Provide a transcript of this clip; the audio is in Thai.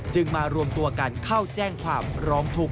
มารวมตัวกันเข้าแจ้งความร้องทุกข